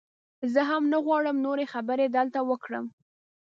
زه هم نه غواړم نورې خبرې دلته وکړم.